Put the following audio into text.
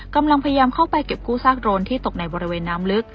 กำลังพยายามเข้าไปเก็บกู้ซากโดรนที่ตกในบริเวณน้ำลึก